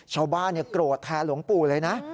ชาวบ้านโกรธแทนหลวงปู่เลยนะ